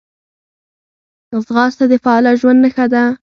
ځغاسته د فعاله ژوند نښه ده